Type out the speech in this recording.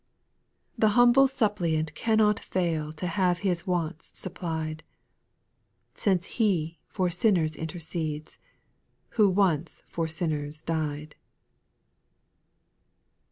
6, The humble suppliant cannot fail To have his wants supplied. Since He for sinners intercedes, Who once for sinners died.